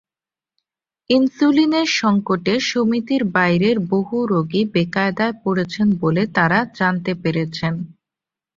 ইনসুলিনের সংকটে সমিতির বাইরের বহু রোগী বেকায়দায় পড়েছেন বলে তাঁরা জানতে পেরেছেন।